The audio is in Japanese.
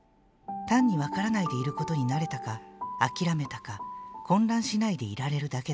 単に、わからないでいることに慣れたか、諦めたか、混乱しないでいられるだけだ。